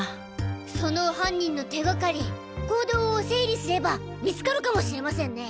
その犯人の手がかり行動を整理すれば見つかるかもしれませんね。